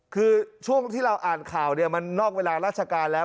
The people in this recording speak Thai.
คือช่วงที่เราอ่านข่าวเนี่ยมันนอกเวลาราชการแล้ว